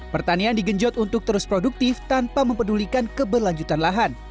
pertanian digenjot untuk terus produktif tanpa mempedulikan keberlanjutan lahan